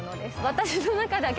私の中では。